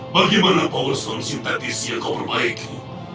bagaimana power stone synthetiz yang kau perbaiki